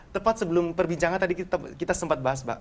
tepat sebelum perbincangan tadi kita sempat bahas mbak